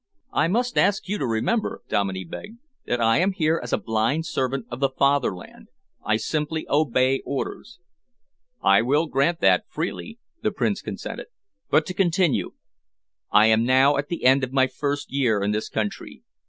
"I must ask you to remember," Dominey begged, "that I am here as a blind servant of the Fatherland. I simply obey orders." "I will grant that freely," the Prince consented. "But to continue. I am now at the end of my first year in this country.